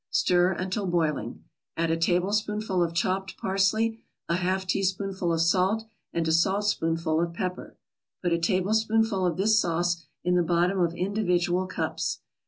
Stir until boiling. Add a tablespoonful of chopped parsley, a half teaspoonful of salt and a saltspoonful of pepper. Put a tablespoonful of this sauce in the bottom of individual cups.